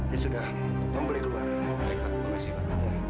ya sudah kamu boleh keluar